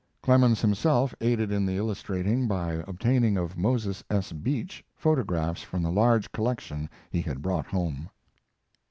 Clemens himself aided in the illustrating by obtaining of Moses S. Beach photographs from the large collection he had brought home.